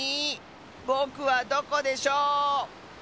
ぼくはどこでしょう？